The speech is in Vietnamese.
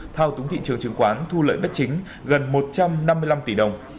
thao túng thị trường chứng khoán thu lợi bất chính gần một trăm năm mươi năm tỷ đồng